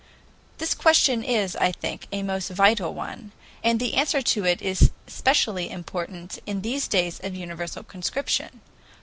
This question is, I think, a most vital one, and the answer to it is specially important in these days of universal conscription.